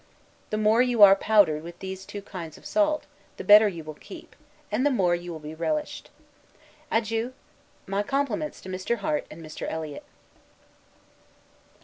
The more you are powdered with these two kinds of salt, the better you will keep, and the more you will be relished. Adieu! My compliments to Mr. Harte and Mr. Eliot.